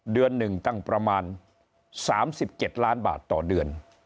เดือนหนึ่งตั้งประมาณสามสิบเจ็ดล้านบาทต่อเดือน